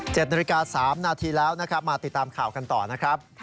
นาฬิกาสามนาทีแล้วนะครับมาติดตามข่าวกันต่อนะครับ